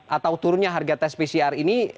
atau turunnya harga tes pcr ini